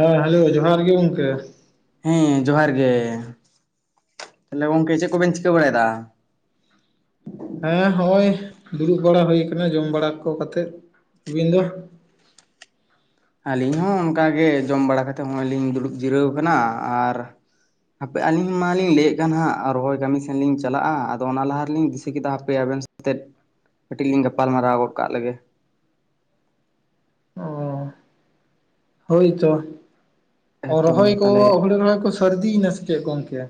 ᱦᱮᱸ ᱦᱮᱞᱳ ᱡᱚᱦᱟᱨ ᱜᱮ ᱜᱚᱝᱠᱮ᱾ ᱦᱮᱸ ᱡᱚᱦᱟᱨ ᱜᱮ ᱛᱟᱦᱚᱞᱮ ᱜᱚᱝᱠᱮ ᱪᱮᱫ ᱠᱚᱵᱮᱱ ᱪᱤᱠᱟᱹ ᱵᱟᱲᱟᱭᱮᱫᱟ? ᱦᱮᱸ ᱦᱚᱜ-ᱚᱭ ᱫᱩᱲᱩᱵ ᱵᱟᱲᱟ ᱦᱩᱭ ᱟᱠᱟᱱᱟ ᱡᱚᱢ ᱵᱟᱲᱟ ᱠᱚ ᱠᱟᱛᱮᱜ ᱟᱹᱵᱤᱱ ᱫᱚ? ᱟᱹᱞᱤᱧ ᱦᱚᱸ ᱚᱱᱠᱟ ᱜᱮ ᱡᱚᱢ ᱵᱟᱲᱟ ᱠᱟᱛᱮᱜ ᱦᱚᱜ-ᱚᱭ ᱞᱤᱧ ᱫᱩᱲᱩᱵ ᱡᱤᱨᱟᱹᱣ ᱟᱠᱟᱱᱟ ᱟᱨ ᱦᱟᱯᱮ ᱟᱹᱞᱤᱧ ᱢᱟᱞᱤᱧ ᱞᱟᱹᱭᱮᱫ ᱠᱟᱱ ᱦᱟᱸᱜ ᱨᱚᱦᱚᱭ ᱠᱟᱹᱢᱤ ᱥᱮᱱ ᱞᱤᱧ ᱪᱟᱞᱟᱜ-ᱟ ᱟᱫᱚ ᱚᱱᱟ ᱞᱟᱦᱟ ᱨᱮᱞᱤᱧ ᱫᱤᱥᱟᱹ ᱠᱮᱫᱟ ᱦᱟᱯᱮ ᱟᱵᱮᱱ ᱛᱮᱫ ᱠᱟᱹᱴᱤᱡ ᱞᱤᱧ ᱜᱟᱯᱟᱞ ᱢᱟᱨᱟᱨᱟᱣ ᱜᱚᱫ ᱠᱟᱜ ᱞᱮᱜᱮ᱾ ᱚ [inaudible] ᱦᱳᱭᱛᱚ ᱮᱠᱫᱚᱢ ᱨᱚᱦᱚᱭ ᱠᱚ ᱛᱟᱦᱚᱞᱮ ᱦᱩᱲᱩ ᱨᱚᱦᱚᱭ ᱠᱚ ᱥᱟᱹᱨᱫᱤᱭ ᱮᱱᱟ ᱥᱮ ᱪᱮᱫ ᱜᱚᱢᱠᱮ?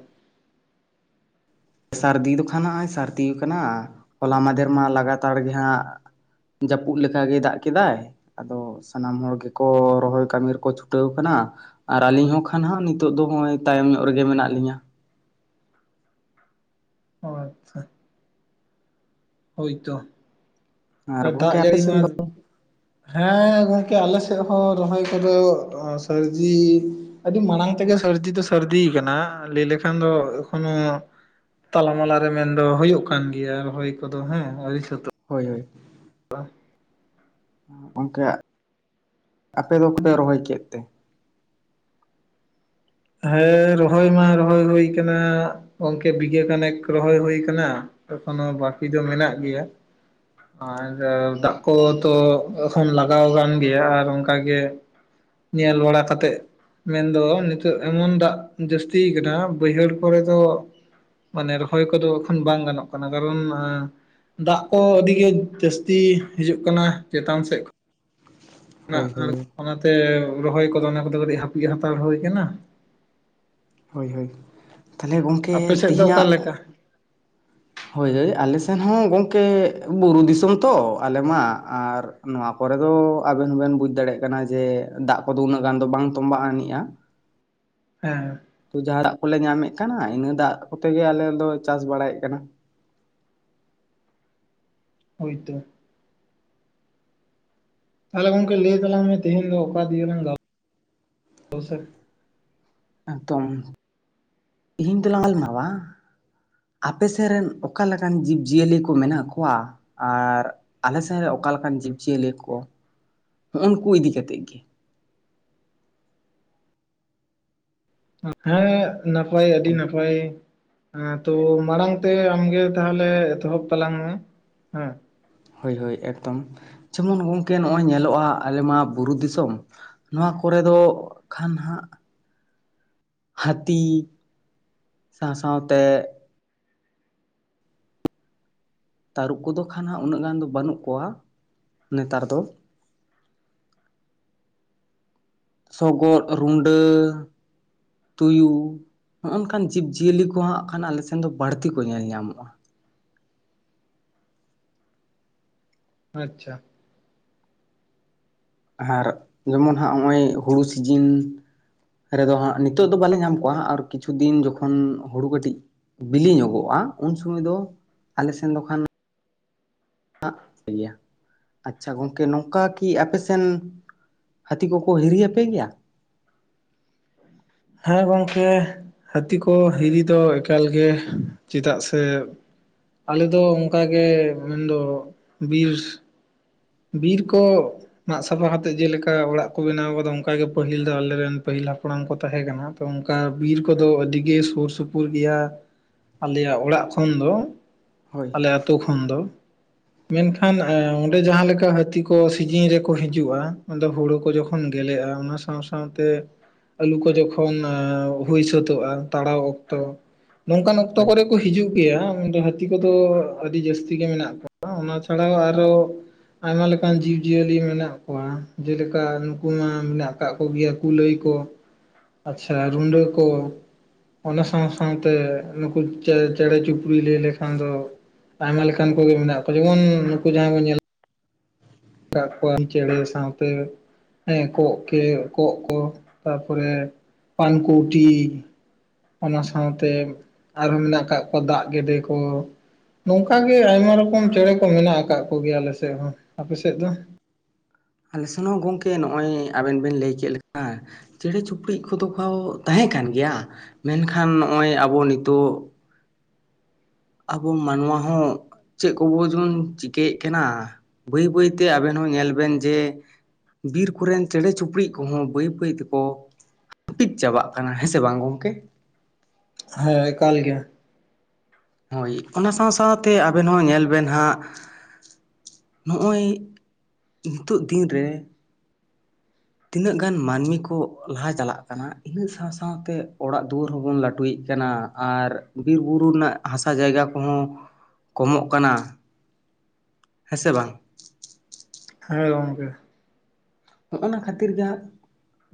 ᱥᱟᱹᱨᱫᱤ ᱫᱚ ᱠᱷᱟᱱ ᱦᱚᱜᱼᱚᱭ ᱥᱟᱹᱨᱫᱤ ᱟᱠᱟᱱᱟ ᱦᱚᱞᱟ ᱢᱟᱫᱷᱮᱨ ᱢᱟ ᱞᱟᱜᱟᱛᱟᱨ ᱜᱮ ᱦᱟᱸᱜ ᱡᱟᱹᱯᱩᱫ ᱞᱮᱠᱟᱜᱮ ᱫᱟᱜ ᱠᱮᱫᱟᱭ ᱾ ᱟᱫᱚ ᱥᱟᱱᱟᱢ ᱦᱚᱲ ᱜᱮᱠᱚ ᱨᱚᱦᱚᱭ ᱠᱟᱹᱢᱤ ᱨᱮᱠᱚ ᱪᱷᱩᱴᱟᱹᱣ ᱟᱠᱟᱱᱟ ᱾ ᱟᱨ ᱟᱹᱞᱤᱧ ᱦᱚᱸ ᱠᱷᱟᱱ ᱦᱟᱸᱜ ᱱᱤᱛᱚᱜ ᱫᱚ ᱱᱚᱜ-ᱚᱭ ᱛᱟᱭᱚᱢ ᱧᱚᱜ ᱨᱮᱜᱮ ᱢᱮᱱᱟᱜ ᱞᱤᱧᱟ ᱾ ᱚ ᱟᱪᱪᱷᱟ ᱾ ᱦᱳᱭᱛᱚ [inaudible] ᱟᱨ ᱫᱟᱜ ᱜᱚᱝᱠᱮ ᱟᱯᱮ ᱡᱟᱹᱲᱤ ᱢᱟ ᱥᱮᱱ ᱫᱚ ᱦᱮᱸ ᱜᱚᱝᱠᱮ ᱟᱞᱮᱥᱮᱫ ᱦᱚᱸ ᱨᱚᱦᱚᱭ ᱠᱚᱫᱚ ᱥᱟᱹᱨᱫᱤ ᱟᱹᱰᱤ ᱢᱟᱲᱟᱝ ᱛᱮᱜᱮ ᱥᱟᱹᱨᱫᱤ ᱫᱚ ᱥᱟᱨᱫᱤ ᱟᱠᱟᱱᱟ ᱞᱟᱹᱭ ᱞᱮᱠᱷᱟᱱ ᱫᱚ ᱮᱠᱷᱚᱱᱚ ᱛᱟᱞᱟ ᱢᱟᱞᱟ ᱨᱮ ᱢᱮᱱᱫᱚ ᱦᱩᱭᱩᱜ ᱠᱟᱱ ᱜᱮᱭᱟ ᱨᱚᱦᱚᱭ ᱠᱚᱫᱚ ᱦᱮᱸ ᱟᱹᱣᱨᱤ ᱥᱟᱹᱛᱚᱜ ᱦᱳᱭ ᱦᱳᱭ ᱾ [inaudible] ᱜᱚᱝᱠᱮ [inaudible] ᱟᱯᱮ ᱫᱚ ᱯᱮ ᱨᱚᱦᱚᱭ ᱠᱮᱫ ᱛᱮ? ᱦᱮᱸ ᱨᱚᱦᱚᱭ ᱢᱟ ᱨᱚᱦᱚᱭ ᱦᱩᱭ ᱟᱠᱟᱱᱟ, ᱜᱚᱢᱠᱮ ᱵᱤᱜᱷᱮ ᱠᱷᱟᱱᱮᱠ ᱨᱚᱦᱚᱭ ᱦᱩᱭ ᱟᱠᱟᱱᱟ ᱾ ᱮᱠᱷᱚᱱᱚ ᱵᱟᱹᱠᱤ ᱫᱚ ᱢᱮᱱᱟᱜ ᱜᱮᱭᱟ [inaudible] ᱟᱨ ᱦᱳᱭ ᱫᱟᱜ ᱠᱚ ᱛᱚ ᱮᱠᱷᱚᱱ ᱞᱟᱜᱟᱣ ᱟᱠᱟᱱ ᱜᱮᱭᱟ ᱟᱨ ᱚᱱᱠᱟᱜᱮ ᱧᱮᱞ ᱵᱟᱲᱟ ᱠᱟᱛᱮᱜ ᱢᱮᱱ ᱫᱚ ᱱᱤᱛ ᱚᱜ ᱮᱢᱚᱱ ᱫᱟᱜ ᱡᱟᱹᱥᱛᱤ ᱟᱠᱟᱱᱟ ᱵᱟᱹᱭᱦᱟᱹᱲ ᱠᱚᱨᱮ ᱫᱚ ᱢᱟᱱᱮ ᱨᱚᱦᱚᱭ ᱠᱚᱫᱚ ᱮᱠᱷᱚᱱ ᱵᱟᱝ ᱜᱟᱱᱚᱜ ᱠᱟᱱᱟ ᱠᱟᱨᱚᱱ ᱫᱟᱜ ᱠᱚ ᱟᱹᱰᱤ ᱜᱮ ᱡᱟᱹᱥᱛᱤ ᱦᱤᱡᱩᱜ ᱠᱟᱱᱟ ᱪᱮᱛᱟᱱ ᱥᱮᱫ [inaudible] ᱦᱳᱭ ᱠᱷᱚᱱᱟᱜ ᱦᱳᱭ ᱚᱱᱟᱛᱮ ᱨᱚᱦᱚᱭ ᱠᱚᱫᱚ ᱚᱱᱟ ᱠᱚᱫᱚ ᱠᱟᱹᱴᱤᱡ ᱦᱟᱹᱯᱤᱫ ᱦᱟᱛᱟᱲ ᱦᱩᱭ ᱠᱟᱱᱟ ᱾ ᱦᱳᱭ ᱦᱳᱭ ᱛᱟᱦᱚᱞᱮ ᱜᱚᱢᱠᱮ ᱟᱯᱮ ᱥᱮᱫ ᱫᱚ ᱛᱤᱦᱤᱧᱟᱜ ᱚᱠᱟᱞᱮᱠᱟ ᱦᱳᱭ ᱦᱳᱭ ᱟᱞᱮ ᱥᱮᱱ ᱦᱚᱸ ᱜᱚᱢᱠᱮ ᱵᱩᱨᱩ ᱫᱤᱥᱚᱢ ᱛᱚ ᱟᱞᱮ ᱢᱟ ᱟᱨ ᱱᱚᱣᱟ ᱠᱚᱨᱮ ᱫᱚ ᱟᱵᱮᱱ ᱦᱚᱸᱵᱮᱱ ᱵᱩᱡ ᱫᱟᱲᱮᱭᱟᱜ ᱡᱮ ᱫᱟᱜ ᱠᱚᱫᱚ ᱩᱱᱟᱹᱜ ᱜᱟᱱ ᱫᱚ ᱵᱟᱝ ᱛᱚᱢᱵᱟᱜ ᱟᱹᱱᱤᱡ-ᱟ ᱾ ᱦᱮᱸ ᱾ ᱡᱟᱦᱟᱸ ᱫᱟᱜ ᱠᱚᱞᱮ ᱧᱟᱢᱮᱫ ᱠᱟᱱᱟ ᱤᱱᱟᱹ ᱫᱟᱜ ᱠᱚᱛᱮ ᱜᱮ ᱟᱞᱮ ᱫᱚ ᱪᱟᱥ ᱵᱟᱲᱟᱭᱮᱫ ᱠᱟᱱᱟ ᱾ ᱦᱳᱭ ᱛᱳ ᱾ ᱛᱟᱦᱚᱞᱮ ᱜᱚᱢᱠᱮ ᱞᱟᱹᱭ ᱛᱟᱞᱟᱝ ᱢᱮ ᱛᱮᱦᱮᱧ ᱫᱚ ᱚᱠᱟ ᱫᱤᱭᱮ ᱞᱟᱝ ᱜᱟᱞ [inaudible] ᱮᱠᱫᱚᱢ [inaudible] ᱛᱮᱦᱮᱧ ᱫᱚ ᱞᱟᱝ ᱜᱟᱞᱢᱟᱨᱟᱣᱟ ᱟᱯᱮ ᱥᱮᱫ ᱨᱮᱱ ᱚᱠᱟ ᱞᱮᱠᱟᱱ ᱡᱤᱵᱽ ᱡᱤᱭᱟᱹᱞᱤ ᱠᱚ ᱢᱮᱱᱟᱜ ᱠᱚᱣᱟ ᱾ ᱟᱨ ᱟᱞᱮ ᱥᱮᱫ ᱨᱮ ᱚᱠᱟᱞᱮᱠᱟᱱ ᱡᱤᱵᱽ ᱡᱤᱭᱟᱹᱞᱤ ᱠᱚ [inaudible] ᱱᱩᱜ-ᱩ ᱱᱩᱠᱩ ᱤᱫᱤ ᱠᱟᱛᱮᱫ ᱜᱮ ᱾ ᱦᱮᱸ ᱱᱟᱯᱟᱭ ᱟᱹᱰᱤ ᱱᱟᱯᱟᱭ ᱾ ᱦᱮᱸ ᱛᱚ ᱢᱟᱲᱟᱝ ᱛᱮ ᱟᱢᱜᱮ ᱛᱟᱦᱚᱞᱮ ᱮᱛᱚᱦᱚᱵ ᱛᱟᱞᱟᱝ ᱢᱮ ᱦᱮᱸ ᱾ ᱦᱳᱭ ᱦᱳᱭ ᱮᱠᱫᱚᱢ ᱡᱮᱢᱚᱱ ᱜᱚᱢᱠᱮ ᱱᱚᱜ-ᱚᱭ ᱧᱮᱞᱚᱜ-ᱟ ᱟᱞᱮ ᱢᱟ ᱵᱩᱨᱩ ᱫᱤᱥᱚᱢ ᱱᱚᱣᱟ ᱠᱚᱨᱮ ᱫᱚ ᱠᱷᱟᱱ ᱦᱟᱜ ᱦᱟᱹᱛᱤ [inaudible] ᱥᱟᱶ ᱥᱟᱶᱛᱮ ᱛᱟᱹᱨᱩᱵᱽ ᱠᱚᱫᱚ ᱠᱷᱟᱱ ᱦᱟᱸᱜ ᱩᱱᱟᱹᱜ ᱜᱟᱱ ᱫᱚ ᱵᱟᱹᱱᱩᱜ ᱠᱚᱣᱟ [inaudible] ᱱᱮᱛᱟᱨ ᱫᱚ ᱾ ᱥᱚᱜᱚᱫ ᱨᱩᱸᱰᱟᱹ ᱛᱩᱭᱩ ᱱᱚᱜ-ᱚ ᱱᱚᱝᱠᱟᱱ ᱡᱤᱵᱽ ᱡᱤᱭᱟᱹᱞᱤ ᱠᱚ ᱦᱟᱸᱜ ᱠᱷᱟᱱ ᱟᱞᱮᱥᱮᱱ ᱫᱚ ᱵᱟᱹᱲᱛᱤ ᱠᱚ ᱧᱮᱞ ᱧᱟᱢᱚᱜ-ᱟ ᱾ ᱟᱪᱪᱷᱟ ᱾ ᱟᱨ ᱡᱮᱢᱚᱱ ᱦᱟᱸᱜ ᱱᱚᱜ-ᱚᱭ ᱦᱩᱲᱩ ᱥᱤᱡᱤᱱ ᱨᱮᱫᱚ ᱦᱟᱸᱜ ᱱᱤᱛᱚᱜ ᱫᱚ ᱵᱟᱞᱮ ᱧᱟᱢ ᱠᱚᱣᱟ ᱟᱨ ᱠᱤᱪᱷᱩ ᱫᱤᱱ ᱡᱚᱠᱷᱚᱱ ᱦᱩᱲᱩ ᱠᱟᱹᱴᱤᱡ ᱵᱤᱞᱤ ᱧᱚᱜᱚᱜ-ᱟ ᱩᱱ ᱥᱚᱢᱚᱭ ᱫᱚ ᱟᱞᱮᱥᱮᱱ ᱫᱚ ᱠᱷᱟᱱ ᱦᱟᱜ ᱜᱮᱭᱟ ᱟᱪᱪᱷᱟ ᱜᱚᱝᱠᱮ ᱱᱚᱝᱠᱟ ᱠᱤ ᱟᱯᱮ ᱥᱮᱱ ᱦᱟᱹᱛᱤ ᱠᱚᱠᱚ ᱦᱤᱨᱤ ᱟᱯᱮ ᱜᱮᱭᱟ? ᱦᱮᱸ ᱜᱚᱝᱠᱮ, ᱦᱟᱹᱛᱤ ᱠᱚ ᱦᱤᱨᱤ ᱫᱚ ᱮᱠᱟᱞ ᱜᱮ ᱪᱮᱫᱟᱜ ᱥᱮ ᱟᱞᱮ ᱫᱚ ᱚᱝᱠᱟ ᱜᱮ ᱢᱮᱱᱫᱚ ᱵᱤᱨ ᱵᱤᱨ ᱠᱚ ᱢᱟᱜᱽ ᱥᱟᱯᱷᱟ ᱠᱟᱛᱮᱜ ᱡᱮᱞᱮᱠᱟ ᱚᱲᱟᱜ ᱠᱚ ᱵᱮᱱᱟᱣ ᱟᱠᱟᱫᱟ ᱚᱝᱠᱟ ᱜᱮ ᱯᱟᱹᱦᱤᱞ ᱫᱚ ᱟᱞᱮ ᱨᱮᱱ ᱯᱟᱹᱦᱤᱞ ᱦᱟᱯᱲᱟᱢ ᱠᱚ ᱛᱟᱦᱮᱸ ᱠᱟᱱᱟ ᱾ [unintelligible] ᱚᱝᱠᱟ ᱵᱤᱨ ᱠᱚᱫᱚ ᱟᱹᱰᱤ ᱜᱮ ᱥᱩᱨ ᱥᱩᱯᱩᱨ ᱜᱮᱭᱟ, ᱟᱞᱮᱭᱟᱜ ᱚᱲᱟᱜ ᱠᱷᱚᱱ ᱫᱚ, ᱦᱳᱭ ᱟᱞᱮ ᱟᱛᱳ ᱠᱷᱚᱱ ᱫᱚ, ᱢᱮᱱᱠᱷᱟᱱ ᱚᱸᱰᱮ ᱡᱟᱦᱟᱸ ᱞᱮ ᱠᱟ ᱦᱟᱹᱛᱤ ᱠᱚ ᱥᱤᱡᱤᱱ ᱨᱮᱠᱚ ᱦᱤᱡᱩᱜᱼᱟ, ᱟᱫᱚ ᱦᱩᱲᱩ ᱠᱚ ᱡᱚᱠᱷᱚᱱ ᱜᱮᱞᱮᱜᱼᱟ ᱚᱱᱟ ᱥᱟᱶ ᱥᱟᱶᱛᱮ ᱟᱹᱞᱩ ᱠᱚ ᱡᱚᱠᱷᱚᱱ ᱦᱩᱭ ᱥᱟᱹᱛᱟᱹᱜᱼᱟ ᱛᱟᱲᱟᱣ ᱚᱠᱛᱚ, ᱱᱚᱝᱠᱟᱱ ᱚᱠᱛᱚ ᱦᱳᱭ ᱠᱚᱨᱮ ᱠᱚ ᱦᱤᱡᱩᱜ ᱜᱮᱭᱟ ᱩᱱᱫᱚ ᱦᱟᱹᱛᱤ ᱠᱚᱫᱚ ᱟᱹᱰᱤ ᱡᱟᱹᱥᱛᱤ ᱜᱮ ᱢᱮᱱᱟᱜ ᱠᱚᱣᱟ ᱚᱱᱟ ᱪᱷᱟᱲᱟᱣ ᱟᱨᱚ ᱟᱭᱢᱟ ᱞᱮᱠᱟᱱ ᱡᱤᱵᱽ ᱡᱤᱭᱟᱹᱞᱤ ᱢᱮᱱᱟᱜ ᱠᱚᱣᱟ ᱡᱮᱞᱮᱠᱟ ᱱᱩᱠᱩ ᱢᱟ ᱢᱮᱱᱟᱜ ᱠᱟᱜ ᱠᱚ ᱜᱮᱭᱟ ᱠᱩᱞᱟᱹᱭ ᱠᱚ, ᱟᱪᱪᱷᱟ ᱨᱩᱺᱰᱟᱹ ᱠᱚ, ᱚᱱᱟ ᱥᱟᱶ ᱥᱟᱶᱛᱮ ᱱᱩᱠᱩ ᱪᱮᱬᱮ, ᱪᱮᱬᱮ ᱪᱩᱯᱲᱤᱡ ᱞᱟᱹᱭ ᱞᱮᱠᱷᱟᱱ ᱫᱚ, ᱟᱭᱢᱟ ᱞᱮᱠᱟᱱ ᱠᱚᱜᱮ ᱢᱮᱱᱟᱜ ᱠᱚᱣᱟ ᱡᱮᱢᱚᱱ ᱱᱩᱠᱩ ᱡᱟᱦᱟᱸᱭ ᱵᱚᱱ ᱧᱮᱞᱮᱜ [inaudible] ᱠᱚᱣᱟᱢ ᱪᱮᱬᱮ ᱥᱟᱶᱛᱮ ᱦᱮᱸ ᱠᱚᱸᱜ ᱠᱮ ᱠᱚᱸᱜ ᱠᱚ, ᱛᱟᱨᱯᱚᱨᱮ ᱯᱟᱱᱠᱩᱣᱴᱤ, ᱚᱱᱟ ᱥᱟᱶᱛᱮ, ᱟᱨᱦᱚᱸ ᱢᱮᱱᱟᱜ ᱠᱟᱜ ᱠᱚᱣᱟ ᱫᱟᱜ ᱜᱮᱰᱮ ᱠᱚ, ᱱᱚᱝᱠᱟ ᱜᱮ ᱟᱭᱢᱟ ᱨᱚᱠᱚᱢ ᱪᱮᱬᱮ ᱠᱚ ᱢᱮᱱᱟᱜ ᱠᱟᱜ ᱠᱚ ᱜᱮᱭᱟ ᱟᱞᱮ ᱥᱮᱫ ᱦᱚᱸ᱾ ᱛᱮᱫ ᱫᱚ᱾ ᱟᱞᱮ ᱥᱮᱱ ᱜᱚᱝᱠᱮ ᱱᱚᱜᱼᱚᱭ ᱟᱵᱮᱱ ᱵᱮᱱ ᱞᱟᱹᱭ ᱠᱮᱫ ᱞᱮᱠᱟ, ᱪᱮᱬᱮ ᱪᱩᱯᱲᱤᱡ ᱠᱚᱫᱚ [unintelligible] ᱛᱟᱦᱮᱸ ᱠᱟᱱ ᱜᱮᱭᱟ, ᱢᱮᱱᱠᱷᱟᱱ ᱱᱚᱜ-ᱚᱭ ᱟᱵᱚ ᱱᱤᱛᱳᱜ ᱟᱵᱚ ᱢᱟᱱᱚᱣᱟ ᱦᱚᱸ, ᱪᱮᱫ ᱠᱚᱵᱚ ᱪᱚᱝ ᱪᱤᱠᱟᱹᱭᱮᱫ ᱠᱟᱱᱟ ᱵᱟᱹᱭ ᱵᱟᱹᱭᱛᱮ ᱟᱵᱮᱱ ᱦᱚᱸ ᱧᱮᱞ ᱵᱮᱱ ᱡᱮ ᱵᱤᱨ ᱠᱚᱨᱮᱱ ᱪᱮᱬᱮ ᱪᱩᱯᱲᱤᱡ ᱠᱚᱦᱚᱸ ᱵᱟᱹᱭ ᱵᱟᱹᱭ ᱛᱮᱠᱚ ᱦᱟᱹᱯᱤᱫ ᱪᱟᱵᱟᱜ ᱠᱟᱱᱟ ᱦᱮᱸ ᱥᱮ ᱵᱟᱝ ᱜᱚᱝᱠᱮ? ᱦᱮᱸ ᱮᱠᱟᱞ ᱜᱮ᱾ ᱦᱳᱭ ᱚᱱᱟ ᱥᱟᱶ ᱥᱟᱶᱛᱮ ᱟᱵᱮᱱ ᱦᱚᱸ ᱧᱮᱞ ᱵᱮᱱ ᱦᱟᱸᱜ ᱱᱚᱜᱼᱚᱭ, ᱱᱤᱛᱳᱜ ᱫᱤᱱ ᱨᱮ ᱛᱤᱱᱟᱹᱜ ᱜᱟᱱ ᱢᱟᱹᱱᱢᱤ ᱠᱚ ᱞᱟᱦᱟ ᱪᱟᱞᱟᱜ ᱠᱟᱱᱟ ᱤᱱᱟᱹ ᱥᱟᱶ ᱥᱟᱶᱛᱮ ᱚᱲᱟᱜ ᱫᱩᱣᱟᱹᱨ ᱦᱚᱸ ᱵᱚᱱ ᱞᱟᱹᱴᱩᱭᱮᱫ ᱠᱟᱱᱟ᱾ ᱟᱨ ᱵᱤᱨ ᱵᱩᱨᱩ ᱨᱮᱱᱟᱜ ᱦᱟᱥᱟ ᱡᱟᱭᱜᱟ ᱠᱚᱦᱚᱸ, ᱠᱚᱢᱚᱜ ᱠᱟᱱᱟ᱾ ᱦᱮᱸ ᱥᱮ ᱵᱟᱝ? ᱦᱮᱸ ᱜᱚᱝᱠᱮ᱾ ᱦᱚᱸᱜᱼᱚ ᱚᱱᱟ ᱠᱷᱟᱹᱛᱤᱨ ᱜᱮ ᱦᱟᱸᱜ,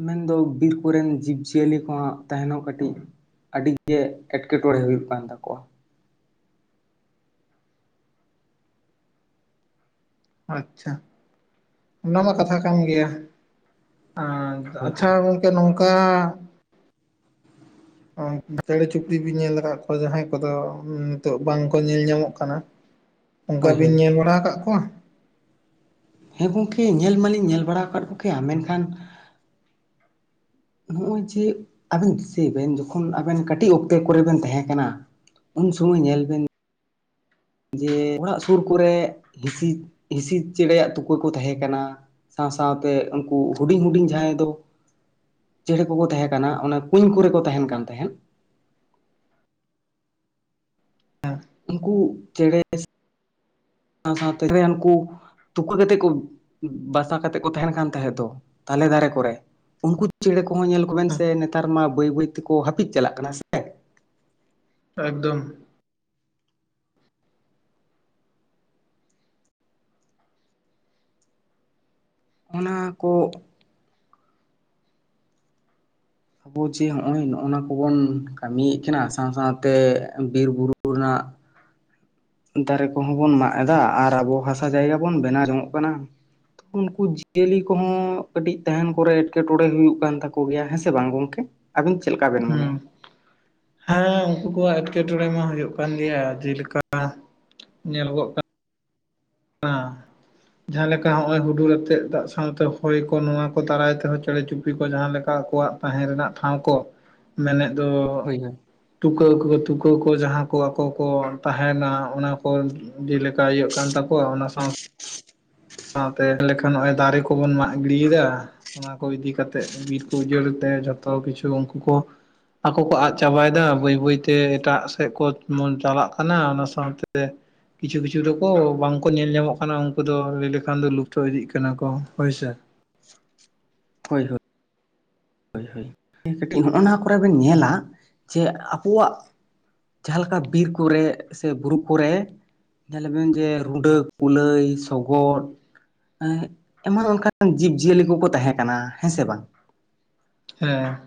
ᱢᱮᱱᱫᱚ ᱵᱤᱨ ᱠᱚᱨᱮᱱ ᱡᱤᱵᱽ ᱡᱤᱭᱟᱹᱞᱤ ᱠᱚᱣᱟᱜ ᱛᱟᱦᱮᱸᱱ ᱦᱚᱸ ᱠᱟᱹᱴᱤᱡ ᱟᱹᱰᱤ ᱜᱮ ᱮᱴᱠᱮᱴᱚᱬᱮ ᱦᱩᱭᱩᱜ ᱠᱟᱱ ᱛᱟᱠᱚᱣᱟ᱾ ᱟᱪᱪᱷᱟ, ᱚᱱᱟ ᱢᱟ ᱠᱟᱛᱷᱟ ᱠᱟᱱ ᱜᱮᱭᱟ ᱟᱨ ᱦᱳᱭ ᱟᱪᱪᱷᱟ ᱜᱚᱝᱠᱮ ᱱᱚᱝᱠᱟ ᱚ ᱪᱮᱬᱮ ᱪᱩᱯᱲᱤᱡ ᱵᱤᱱ ᱧᱮᱞ ᱠᱟᱫ ᱠᱚᱣᱟ ᱡᱟᱦᱟᱸᱭ ᱠᱚᱫᱚ ᱱᱤᱛᱚᱜ ᱵᱟᱝᱠᱚ ᱧᱮᱞ ᱧᱟᱢᱚᱜ ᱠᱟᱱᱟ? [inaudible] ᱚᱝᱠᱟ ᱦᱳᱭ ᱵᱤᱱ ᱦᱳᱭ ᱧᱮᱞ ᱵᱟᱲᱟ ᱠᱟᱜ ᱠᱚᱣᱟ? ᱦᱮᱸ ᱜᱚᱝᱠᱮ ᱧᱮᱞ ᱢᱟᱞᱤᱧ ᱧᱮᱞ ᱵᱟᱲᱟᱣ ᱠᱟᱫ ᱠᱚ ᱜᱮᱭᱟ ᱢᱮᱱᱠᱷᱟᱱ ᱱᱚᱜ-ᱚᱭ ᱡᱮ ᱟᱵᱮᱱ ᱫᱤᱥᱟᱹᱭ ᱵᱮᱱ ᱡᱚᱠᱷᱚᱱ ᱟᱵᱮᱱ ᱠᱟᱹᱴᱤᱡ ᱚᱠᱛᱮ ᱠᱚᱨᱮ ᱵᱮᱱ ᱛᱟᱦᱮᱸ ᱠᱟᱱᱟ, ᱩᱱ ᱥᱚᱢᱚᱭ ᱧᱮᱞ ᱵᱮᱱ ᱡᱮ ᱚᱲᱟᱜ ᱥᱩᱨ ᱠᱚᱨᱮ ᱦᱤᱸᱥᱤ, ᱦᱤᱸᱥᱤ ᱪᱮᱬᱮᱭᱟᱜ ᱛᱩᱠᱟᱹ ᱠᱚ ᱛᱟᱦᱮᱸ ᱠᱟᱱᱟ, ᱥᱟᱶ ᱥᱟᱶᱛᱮ ᱩᱱᱠᱩ ᱦᱤᱰᱤᱧ ᱦᱩᱰᱤᱧ ᱡᱟᱦᱟᱸᱭ ᱫᱚ ᱪᱮᱸᱬᱮ ᱠᱚᱠᱚ ᱛᱟᱸᱦᱮ ᱠᱟᱱᱟ ᱚᱱᱟ ᱠᱩᱧ ᱠᱚᱨᱮ ᱠᱚ ᱛᱟᱸᱦᱮᱱ ᱠᱟᱱ ᱛᱟᱸᱦᱮᱫ᱾ ᱩᱱᱠᱩ ᱪᱮᱸᱬᱮ ᱥᱟᱶ ᱥᱟᱶᱛᱮ [unintelligible] ᱩᱱᱠᱩ᱾ ᱛᱩᱠᱟᱹ ᱠᱟᱛᱮ ᱠᱩ ᱵᱟᱥᱟ ᱠᱟᱛᱮ ᱠᱩ ᱛᱟᱸᱦᱮᱱ ᱠᱟᱱ ᱛᱟᱸᱦᱮ ᱛᱚ ᱛᱟᱞᱮ ᱫᱟᱨᱮ ᱠᱚᱨᱮ᱾ ᱩᱱᱠᱩ ᱪᱮᱸᱬᱮ ᱠᱚᱦᱚ ᱧᱮᱞ ᱠᱚᱵᱮᱱ ᱥᱮ ᱱᱮᱛᱟᱨ ᱢᱟ ᱵᱟᱹᱭ ᱵᱟᱹᱭ ᱛᱮᱠᱚ ᱦᱟᱯᱤᱫ ᱪᱟᱞᱟᱜ ᱠᱟᱱᱟ ᱥᱮ᱾ ᱮᱠᱫᱚᱢ᱾ ᱚᱱᱟ ᱠᱚ᱾ ᱟᱵᱚ ᱡᱮ ᱦᱚᱜ-ᱚᱭ ᱱᱚᱜ-ᱚᱱᱟ ᱠᱚᱵᱚᱱ ᱠᱟᱢᱤᱭᱮᱜ ᱠᱟᱱᱟ ᱥᱟᱶ ᱥᱟᱶᱛᱮ ᱵᱤᱨ ᱵᱩᱨᱩ᱾ ᱠᱩ ᱨᱮᱱᱟᱜ᱾ ᱫᱟᱨᱮ ᱠᱚᱦᱚᱸ ᱵᱚᱱ ᱢᱟᱜ ᱮᱫᱟ ᱟᱨ ᱟᱵᱚ ᱦᱟᱥᱟ ᱡᱟᱭᱜᱟ ᱵᱚᱱ ᱵᱮᱱᱟᱣ ᱡᱚᱝᱚᱜᱚᱜ ᱠᱟᱱᱟ᱾ ᱩᱱᱠᱩ ᱡᱤᱭᱟᱹᱞᱤ ᱠᱚᱦᱚᱸ ᱠᱟᱹᱴᱤᱡ ᱛᱟᱦᱮᱱ ᱠᱚᱨᱮ ᱮᱸᱴᱠᱮᱴᱚᱸᱬᱮ ᱦᱩᱭᱩᱜ ᱠᱟᱱ ᱛᱟᱠᱚ ᱜᱮᱭᱟ ᱦᱮᱸ ᱥᱮ ᱵᱟᱝ ᱜᱚᱝᱠᱮ᱾ ᱟᱵᱮᱱ ᱪᱮᱜ ᱞᱮᱠᱟᱵᱮᱱ ᱢᱚᱱᱮᱭᱟ᱾ ᱦᱩᱸ ᱦᱮᱸ ᱩᱱᱠᱩ ᱠᱚᱣᱟᱜ ᱮᱸᱴᱠᱮᱴᱚᱸᱬᱮ ᱢᱟ ᱦᱩᱭᱩᱜ ᱠᱟᱱ ᱜᱮᱭᱟ ᱡᱮᱞᱮᱠᱟ ᱧᱮᱞᱚᱜᱚᱜ ᱠᱟ ᱱᱟ᱾ ᱡᱟᱸᱦᱟ ᱞᱮᱠᱟ ᱦᱚᱸᱜ-ᱚᱭ ᱦᱩᱰᱩᱨ ᱟᱛᱮᱜ ᱫᱟᱜ ᱥᱟᱶᱛᱮ ᱦᱚᱭ ᱠᱚ ᱱᱚᱣᱟ ᱠᱚ ᱫᱟᱨᱟᱭ ᱛᱮᱦᱚᱸ ᱪᱮᱸᱬᱮ ᱪᱩᱯᱲᱤ ᱠᱚ ᱡᱟᱸᱦᱟ ᱞᱮᱠᱟ ᱟᱠᱚᱣᱟᱜ᱾ ᱛᱟᱸᱦᱮ ᱨᱮᱱᱟᱜ ᱴᱷᱟᱶ ᱠᱚ ᱢᱮᱱᱮᱜ ᱫᱚ᱾ ᱦᱳᱭ ᱴᱩᱠᱟᱹ ᱠᱚ ᱛᱩᱠᱟᱹ ᱠᱚ ᱡᱟᱸᱦᱟ ᱠᱚ ᱟᱠᱚ ᱠᱚ ᱛᱟᱸᱦᱮᱱᱟ ᱚᱱᱟ ᱠᱚ᱾ ᱡᱮᱞᱮᱠᱟ ᱤᱭᱟᱹᱜ ᱠᱟᱱ ᱛᱟᱠᱚᱣᱟ ᱚᱱᱟ ᱥᱟᱶ᱾ ᱥᱟᱶᱛᱮ ᱮᱞᱮᱠᱷᱟᱱ ᱱᱚᱜᱚᱭ ᱫᱟᱨᱮ ᱠᱚᱵᱚᱱ ᱢᱟᱜ ᱜᱤᱲᱤᱭᱮᱫᱟ᱾ ᱚᱱᱟ ᱠᱚ ᱤᱫᱤ ᱠᱟᱛᱮᱜ ᱵᱤᱨ ᱠᱚ ᱩᱡᱟᱹᱲ ᱮᱫ ᱛᱮ ᱡᱷᱚᱛᱚ ᱠᱤᱪᱷᱩ ᱩᱝᱠᱩ ᱠᱚ᱾ ᱟᱠᱚ ᱠᱚ ᱟᱫ ᱪᱟᱵᱟᱭ ᱫᱟ ᱵᱟᱹᱭ ᱵᱟᱹᱭᱛᱮ ᱮᱴᱟᱜ ᱥᱮᱜ ᱠᱚ ᱪᱟᱞᱟᱜ ᱠᱟᱱᱟ ᱚᱱᱟ ᱥᱟᱶᱛᱮ᱾ ᱠᱤᱪᱷᱩ ᱠᱤᱪᱷᱩ ᱫᱚᱠᱚ ᱵᱟᱝᱠᱚ ᱧᱮᱞ ᱧᱟᱢᱚᱜ ᱠᱟᱱᱟ ᱩᱱᱠᱩ ᱫᱚ ᱞᱟᱹᱭ ᱞᱮ ᱠᱷᱟᱱ ᱫᱚ ᱞᱩᱯᱛᱚ ᱤᱫᱤᱜ ᱠᱟᱱᱟ ᱠᱚ ᱦᱳᱭ ᱥᱮ᱾ ᱦᱳᱭ ᱦᱳᱭ᱾ ᱦᱳᱭ ᱦᱳᱭ ᱠᱟᱹᱴᱤᱡ ᱱᱚᱜ-ᱱᱟ ᱠᱚᱨᱮ ᱵᱮᱱ ᱧᱮᱞᱟ ᱡᱮ ᱟᱵᱚᱣᱟᱜ᱾ ᱡᱟᱸᱦᱟ ᱞᱮᱠᱟ ᱵᱤᱨ ᱠᱚᱨᱮ ᱥᱮ ᱵᱩᱨᱩ ᱠᱚᱨᱮ᱾ ᱧᱮᱞᱟ ᱵᱮᱱ ᱡᱮ ᱨᱩᱰᱟᱹ ᱠᱩᱞᱟᱹᱭ ᱥᱚᱜᱚᱫ᱾ ᱮᱸᱜ ᱮᱢᱚᱱ ᱚᱱᱠᱟᱱ ᱡᱤᱵᱽ ᱡᱤᱭᱟᱹᱞᱤ ᱠᱚᱠᱚ ᱛᱟᱸᱦᱮ ᱠᱟᱱᱟ ᱦᱮᱸ ᱥᱮ ᱵᱟᱝ᱾ ᱦᱮᱸ᱾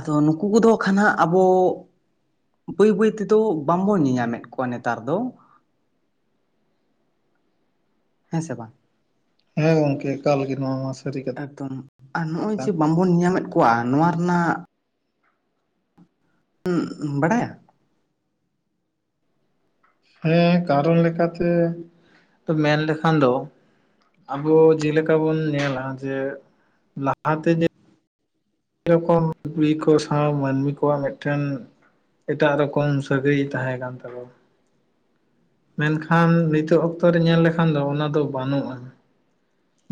ᱟᱫᱚ ᱱᱩᱠᱩ ᱠᱚᱫᱚ ᱠᱷᱟᱱ ᱦᱟᱸᱜ ᱟᱵᱚ᱾ ᱵᱟᱹᱭ ᱵᱟᱹᱭ ᱛᱮᱫᱚ ᱵᱟᱝᱵᱚᱱ ᱧᱮᱧᱟᱢᱮᱫ ᱠᱚᱣᱟ ᱱᱮᱛᱟᱨ ᱫᱚ᱾ ᱦᱮᱸ ᱥᱮ ᱵᱟᱝ᱾ ᱦᱮᱸ ᱜᱚᱝᱠᱮ ᱮᱠᱟᱞ ᱜᱮ ᱱᱚᱣᱟ ᱢᱟᱥ ᱮᱠᱫᱚᱢ ᱟᱨ ᱱᱚᱜ ᱚᱭ ᱡᱮ ᱵᱟᱝᱵᱚᱱ ᱧᱟᱢᱮᱫ ᱠᱚᱣᱟ ᱱᱚᱣᱟ ᱨᱮᱱᱟᱜ᱾ ᱩ ᱵᱟᱰᱟᱭᱟ᱾ ᱦᱮᱸ ᱠᱟᱨᱚᱱ ᱞᱮᱠᱟᱛᱮ ᱢᱮᱱ ᱞᱮᱠᱷᱟᱱ ᱫᱚ᱾ ᱟᱵᱚ ᱡᱮᱞᱮᱠᱟ ᱵᱚᱱ ᱧᱮᱞᱟ ᱡᱮ ᱞᱟᱦᱟᱛᱮ ᱡᱮ ᱨᱚᱠᱚᱢ ᱠᱩᱲᱤ ᱠᱚ ᱥᱟᱶ ᱢᱟᱹᱱᱢᱤ ᱠᱚᱣᱟᱜ ᱢᱮᱜᱴᱮᱱ᱾ ᱮᱴᱟᱜ ᱨᱚᱠᱚᱢ ᱥᱟᱹᱜᱟᱹᱭ ᱛᱟᱸᱦᱮ ᱠᱟᱱ ᱛᱟᱠᱚᱣᱟ᱾ ᱢᱮᱱᱠᱷᱟᱱ ᱱᱤᱛᱳᱜ ᱚᱠᱛᱨᱮ ᱧᱮᱞ ᱞᱮᱠᱷᱟᱱ ᱫᱚ ᱚᱱᱟ ᱫᱚ ᱵᱟᱱᱩᱜ-ᱟ᱾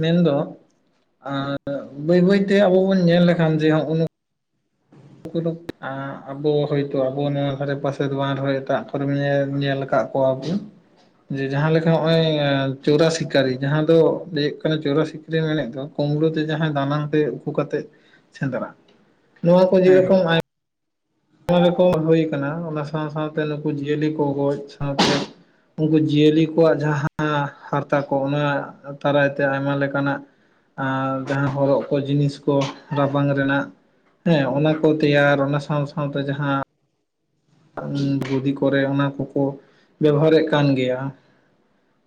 ᱢᱮᱱᱫᱚ ᱟᱸ ᱵᱟᱹᱭ ᱵᱟᱹᱭᱛᱮ ᱟᱵᱚ ᱵᱚᱱ ᱧᱮᱞ ᱞᱮᱠᱷᱟᱱ ᱡᱮ ᱱᱚᱸᱜ ᱱᱚ ᱠᱚᱫᱚ ᱟᱸᱜ ᱟᱵᱚ ᱦᱚᱭᱛᱚ ᱟᱵᱚ ᱱᱚᱣᱟ ᱫᱷᱟᱨᱮ ᱯᱟᱥᱮ ᱫᱚ ᱵᱟᱝ ᱨᱮᱦᱚᱸ ᱮᱴᱟᱜ ᱠᱚᱨᱮᱢ ᱧᱮᱞ ᱧᱮᱞ ᱠᱟᱜ᱾ ᱠᱚᱣᱟ ᱵᱩᱱ᱾ ᱡᱮ ᱡᱟᱸᱦᱟ ᱞᱮᱠᱟ ᱦᱚᱸᱜ ᱚᱭ ᱪᱳᱨᱟ ᱥᱤᱠᱟᱨᱤ ᱡᱟᱸᱦᱟ ᱫᱚ ᱞᱟᱹᱭ ᱠᱟᱱᱟ ᱪᱳᱨᱟ ᱥᱤ ᱞᱤᱧ ᱢᱮᱱᱮᱜ ᱫᱚ ᱠᱩᱢᱲᱩ ᱛᱮ ᱡᱟᱸᱦᱟᱭ ᱫᱟᱱᱟᱝ ᱛᱮ ᱩᱠᱩ ᱠᱟᱛᱮᱜ ᱥᱮᱸᱫᱽᱨᱟ ᱱᱚᱣᱟ᱾ ᱠᱚ ᱤᱫᱤ ᱦᱮᱸ ᱠᱟᱛᱚᱝ ᱟᱭ ᱟᱭᱢᱟ ᱨᱚᱠᱚᱢ ᱦᱩᱭ ᱠᱟᱱᱟ ᱚᱱᱟ ᱥᱟᱶ ᱥᱟᱶᱛᱮ ᱱᱩᱠᱩ ᱡᱤᱭᱟᱹᱞᱤ ᱠᱚ ᱜᱚᱡ ᱥᱟᱶᱛᱮ᱾ ᱩᱱᱠᱩ ᱡᱤᱭᱟᱹᱞᱤ ᱠᱚᱣᱟᱜ ᱡᱟᱦᱟᱸ ᱦᱟᱨᱟᱛᱟ ᱠᱚ ᱱᱚᱣᱟ ᱫᱟᱨᱟᱭᱛᱮ ᱟᱭᱢᱟ ᱞᱮᱠᱟᱱᱟᱜ ᱟᱨ ᱡᱟᱦᱟᱸ ᱦᱚᱨᱚᱜ ᱠᱚ ᱡᱤᱱᱤᱥ ᱠᱚ ᱨᱟᱵᱟᱝ ᱨᱮᱱᱟᱜ᱾ ᱦᱮᱸ ᱚᱱᱟ ᱠᱚ ᱛᱮᱭᱟᱨ ᱚᱱᱟ ᱥᱟᱶ ᱥᱟᱶᱛᱮ ᱡᱟᱦᱟᱸ ᱜᱩᱫᱤ ᱠᱚᱨᱮ ᱚᱱᱟ ᱠᱚᱠᱚ ᱵᱮᱵᱟᱨᱮᱫ ᱠᱟᱱ ᱜᱮᱭᱟ᱾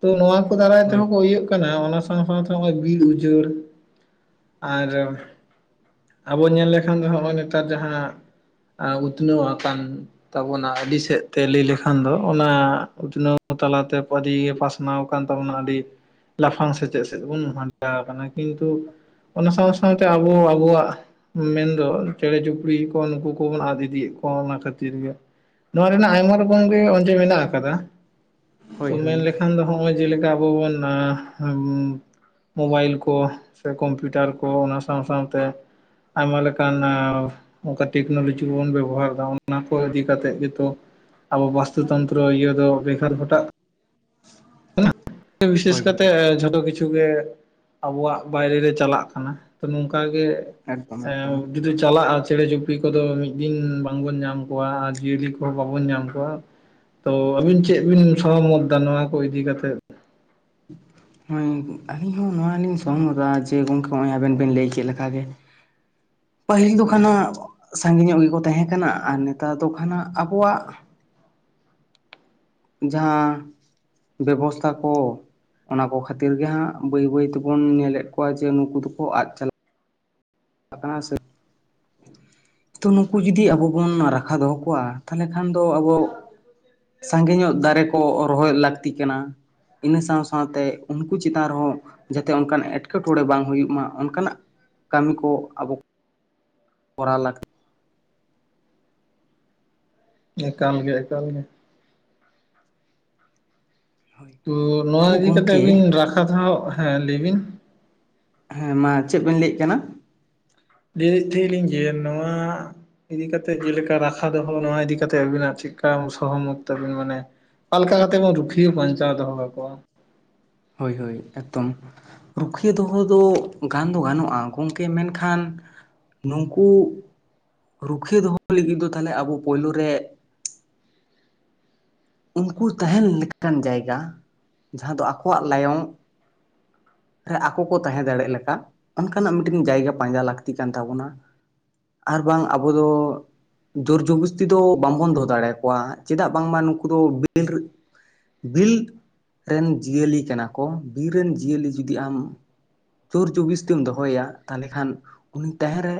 ᱛᱚ ᱱᱚᱶᱟ ᱠᱚ ᱫᱟᱨᱟᱭ ᱦᱳᱭ ᱛᱮᱦᱚᱸ ᱠᱚ ᱳᱭᱟᱜ ᱠᱟᱱᱟ, ᱟᱱᱟ ᱥᱟᱶ ᱥᱟᱶᱛᱮ ᱱᱚᱜ-ᱚᱭ ᱵᱤᱨ ᱩᱡᱟᱹᱲ ᱟᱨ ᱟᱵᱚ ᱧᱮᱞ ᱞᱮᱠᱷᱟᱱ ᱫᱚ ᱱᱚᱜᱼᱚᱭ ᱱᱮᱛᱟᱨ ᱡᱟᱦᱟᱸ ᱩᱛᱱᱟᱹᱣ ᱟᱠᱟᱱ᱾ ᱛᱟᱵᱚᱱᱟ ᱟᱹᱰᱤ ᱥᱮᱫ ᱛᱮ ᱞᱟᱹᱭ ᱞᱮᱠᱷᱟᱱ ᱫᱚ ᱚᱱᱟ ᱩᱛᱱᱟᱹᱣ ᱛᱟᱞᱟᱛᱮ [unintelligible] ᱯᱟᱥ ᱯᱟᱥᱱᱟᱣ ᱠᱟᱱ ᱛᱟᱵᱚᱱᱟ ᱟᱹᱰᱤ ᱞᱟᱯᱷᱟᱝ ᱥᱮ ᱪᱮᱫ ᱥᱮᱫ ᱵᱚᱱ [unintelligible] ᱠᱟᱱᱟ, ᱠᱤᱱᱛᱩ ᱚᱱᱟ ᱥᱟᱶ ᱥᱟᱶᱛᱮ ᱟᱵᱚ ᱟᱵᱚᱣᱟᱜ ᱢᱮᱱᱫᱚ ᱪᱮᱬᱮ ᱪᱩᱯᱲᱤ ᱠᱚ ᱱᱩᱠᱩ ᱠᱚᱵᱚᱱ ᱟᱫ ᱤᱫᱤᱭᱮᱫ ᱠᱚᱣᱟ ᱚᱱᱟ ᱠᱷᱟᱹᱛᱤᱨ ᱜᱮ᱾ ᱱᱚᱣᱟ ᱨᱮᱱᱟᱜ ᱟᱭᱢᱟ ᱨᱚᱠᱚᱢ ᱜᱮ ᱚᱡᱮ ᱢᱮᱱᱟᱜ ᱟᱠᱟᱫᱟ, ᱛᱚ ᱦᱳᱭ ᱦᱳᱭ ᱢᱮᱱ ᱞᱮᱠᱷᱟᱱ ᱫᱚ᱾ ᱱᱚᱜᱼᱚᱭ ᱡᱮᱞᱮᱠᱟ ᱟᱵᱚ ᱵᱚᱱ ᱟ ᱟᱢ᱾ ᱢᱳᱵᱟᱭᱤᱞ ᱠᱚ ᱥᱮ ᱠᱚᱢᱯᱤᱭᱩᱴᱟᱨ ᱠᱚ ᱚᱱᱟ ᱥᱟᱶ ᱥᱟᱶᱛᱮ᱾ ᱟᱭᱢᱟ ᱞᱮᱠᱟᱱ ᱚᱱᱠᱟ ᱴᱮᱠᱱᱳᱞᱚᱡᱤ ᱵᱚᱱ ᱵᱮᱵᱚᱦᱟᱨ ᱫᱟ ᱚᱱᱟ ᱠᱚ ᱟᱰᱤ ᱠᱟᱛᱮᱫ ᱜᱮᱛᱚ ᱟᱵᱚ ᱵᱟᱥᱛᱩ ᱛᱚᱱᱛᱨᱚ ᱤᱭᱟᱹ ᱫᱚ ᱵᱮᱜᱟᱨ ᱜᱚᱴᱟᱜ [unintelligible] ᱵᱤᱥᱮᱥ ᱦᱳᱭ ᱠᱟᱛᱮ ᱦᱳᱭ ᱡᱷᱚᱛᱚ ᱠᱤᱪᱷᱩ, ᱠᱡᱪᱷᱩ ᱜᱮ ᱟᱵᱚᱣᱟᱜ ᱵᱟᱭᱨᱮ ᱨᱮ ᱪᱟᱞᱟᱜ ᱠᱟᱱᱟ, ᱛᱚ ᱱᱚᱝᱠ ᱜᱮ ᱮᱠᱫᱚᱢ ᱮᱠᱫᱚᱢ ᱮᱻ ᱪᱟᱞᱟᱜᱼᱟ ᱪᱮᱬᱮ ᱪᱩᱯᱤ ᱠᱚᱫᱚ ᱢᱤᱫ ᱫᱤᱱ ᱵᱟᱝᱵᱚᱱ ᱧᱟᱢ ᱠᱚᱣᱟ, ‌ᱟᱨ ᱡᱤᱭᱟᱹᱞᱤ ᱠᱚ ᱵᱟᱵᱚᱱ ᱧᱟᱢ ᱠᱚᱣᱟ ᱛᱚ ᱟᱹᱵᱤᱱ ᱪᱮᱫ ᱵᱤᱱ ᱥᱚᱲᱚᱢᱚᱛ ᱫᱟ ᱱᱚᱣᱟ ᱠᱚ ᱤᱫᱤ ᱠᱟᱛᱮ? ᱱᱚᱜᱼᱚᱭ ᱟᱹᱞᱤᱧ ᱦᱚᱸ ᱱᱚᱣᱟ ᱞᱤᱧ ᱥᱚᱢᱢᱚᱫᱟ ᱡᱮ ᱜᱚᱢᱠᱮ ᱦᱚᱜᱼᱚᱭ ᱟᱵᱮᱱ ᱵᱮᱱ ᱞᱟᱹᱭ ᱠᱮᱫ ᱞᱮᱠᱟ ᱜᱮ᱾ ᱯᱟᱹᱦᱤᱞ ᱫᱚ ᱠᱷᱟᱱ ᱦᱟᱜ ᱥᱟᱸᱜᱤ ᱧᱚᱜ ᱜᱤᱠᱚ ᱠᱚ ᱛᱟᱦᱮᱸ ᱠᱟᱱᱟ ᱟᱨ ᱱᱮᱛᱟᱨ ᱫᱚ ᱠᱷᱟᱱᱟᱜ ᱟᱵᱚᱣᱟᱜ᱾ ᱡᱟᱦᱟᱸ ᱵᱮᱵᱚᱥᱛᱷᱟ ᱠᱚ᱾ ᱚᱱᱟ ᱠᱚ ᱠᱷᱟᱹᱛᱤᱨ ᱜᱮ ᱦᱟᱸᱜ ᱵᱟᱹᱭ ᱵᱟᱹᱭ ᱛᱮᱵᱩᱱ ᱧᱮᱞᱮᱫ ᱠᱚᱣᱟ ᱡᱮ ᱱᱩᱠᱩ ᱫᱩᱠᱩ ᱟᱫ ᱪᱟᱞᱟᱜᱼᱟ, ᱟᱠᱟᱱᱟ ᱥᱮ᱾ ᱛᱚ ᱱᱩᱠᱩ ᱡᱩᱫᱤ ᱟᱵᱚ ᱵᱚᱱ ᱨᱟᱠᱷᱟ ᱫᱚᱦᱚ ᱠᱚᱣᱟ ᱛᱟᱦᱚᱞᱮ ᱠᱷᱟᱱ ᱫᱚ ᱟᱵᱚ᱾ ᱥᱟᱸᱜᱮ ᱧᱚᱜ ᱫᱟᱨᱮ ᱠᱚ ᱨᱚᱦᱚᱭ ᱞᱟᱹᱠᱛᱤᱜ ᱠᱟᱱᱟ᱾ ᱤᱱᱟᱹ ᱥᱟᱣ ᱥᱟᱣᱛᱮ ᱩᱱᱠᱩ ᱪᱮᱛᱟᱱ ᱨᱮᱦᱚᱸ, ᱡᱟᱛᱮ ᱚᱱᱠᱟᱱ ᱮᱴᱠᱮᱴᱚᱬᱮ ᱵᱟᱝ ᱦᱩᱭᱩᱜ ᱢᱟ ᱚᱱᱠᱟᱱᱟᱜ ᱠᱟᱹᱢᱤ ᱠᱚ ᱟᱵᱚ, ᱠᱚᱨᱟᱣ ᱞᱟᱹᱠᱛᱤ᱾ ᱮᱠᱟᱞ ᱜᱮ ᱮᱠᱟᱞ ᱜᱮ᱾ ᱛᱚ. ᱱᱚᱣᱟ ᱛᱚ ᱤᱫᱤ ᱠᱟᱛᱮᱜ ᱜᱚᱢᱠᱮ ᱵᱤᱱ ᱨᱟᱠᱷᱟ ᱫᱷᱟᱣ, ᱦᱮᱸ ᱞᱟᱹᱭ ᱵᱤᱱ᱾ ᱦᱮᱸ ᱢᱟ ᱪᱮᱫ ᱵᱮᱱ ᱞᱟᱹᱭ ᱮᱫ ᱠᱟᱱᱟ? ᱡᱮ ᱞᱟᱹᱭ ᱮᱫ ᱛᱟᱦᱮᱸ ᱟᱞᱤᱧ ᱡᱮ ᱱᱚᱣᱟ ᱤᱫᱤ ᱠᱟᱛᱮᱫ ᱡᱮᱞᱮᱠᱟ ᱨᱟᱠᱷᱟ ᱫᱚᱦᱚ ᱱᱚᱣᱟ ᱤᱫᱤ ᱠᱟᱛᱮ ᱟᱹᱵᱤᱱᱟᱜ ᱪᱮᱫ ᱞᱮᱠᱟ ᱥᱚᱦᱚᱢᱚᱛ ᱛᱟᱵᱤᱱ ᱢᱟᱱᱮ, ᱚᱠᱟ ᱞᱮᱠᱟ ᱠᱟᱛᱮᱜ ᱵᱚᱱ ᱨᱩᱠᱷᱤᱭᱟᱹ ᱵᱟᱧᱪᱟᱣ ᱫᱚᱦᱚ ᱠᱟᱠᱚᱣᱟ᱾ ᱦᱳᱭ ᱦᱳᱭ ᱮᱠᱫᱚᱢ᱾ ᱨᱩᱠᱷᱤᱭᱟᱹ ᱫᱚᱦᱚ ᱫᱚ ᱜᱟᱱ ᱫᱚ ᱜᱟᱱᱚᱜᱼᱟ᱾ ᱜᱚᱢᱠᱮ ᱢᱮᱱᱠᱷᱟᱱ ᱱᱩᱠᱩ ᱨᱩᱠᱷᱤᱭᱟᱹ ᱫᱚᱦᱚ ᱞᱟᱹᱜᱤᱫ ᱫᱚ ᱛᱟᱦᱞᱮ ᱟᱵᱚ ᱯᱳᱭᱞᱳ ᱨᱮ ᱩᱱᱠᱩ ᱛᱟᱦᱮᱱ ᱞᱮᱠᱟᱱ ᱡᱟᱭᱜᱟ ᱡᱟᱦᱟᱸ ᱫᱚ ᱟᱠᱚᱣᱟᱜ ᱞᱟᱭᱚᱝ, ᱨᱮ ᱟᱠᱚ ᱠᱚ ᱛᱟᱦᱮᱸ ᱫᱟᱲᱮᱜ ᱞᱮᱠᱟ ᱚᱱᱠᱟᱱᱟᱜ ᱢᱤᱫᱴᱮᱱ ᱡᱟᱭᱜᱟ ᱯᱟᱸᱡᱟ ᱞᱟᱹᱠᱛᱤ ᱠᱟᱱ ᱛᱟᱵᱚᱱᱟ᱾ ᱟᱨ ᱵᱟᱝ ᱟᱵᱚ ᱫᱚ ᱡᱳᱨᱡᱚᱵᱚᱥᱛᱤ ᱫᱚ ᱵᱟᱝᱵᱚᱱ ᱫᱚᱦᱚ ᱫᱟᱲᱮᱭᱟᱠᱚᱣᱟ᱾ ᱪᱮᱫᱟᱜ ᱵᱟᱝᱢᱟ ᱱᱩᱠᱩ ᱫᱚ ᱵᱤᱨ ᱵᱤᱨ ᱨᱮᱱ ᱡᱤᱭᱟᱹᱞᱤ ᱠᱟᱱᱟ ᱠᱚ ᱵᱤᱨ ᱨᱮᱱ ᱡᱤᱭᱟᱹᱞᱤ᱾ ᱡᱩᱫᱤ ᱟᱢ ᱡᱳᱨ ᱡᱚᱵᱤᱥᱛᱤᱢ ᱫᱚᱦᱚᱭᱟ ᱛᱟᱦᱚᱞᱮ ᱠᱷᱟᱱ ᱩᱱᱤ ᱛᱟᱦᱮᱸ ᱨᱮ